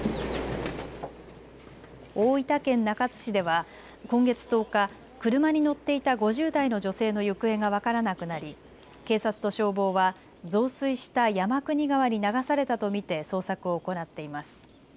大分県中津市では今月１０日、車に乗っていた５０代の女性の行方が分からなくなり警察と消防は増水した山国川に流されたと見て捜索を行っています。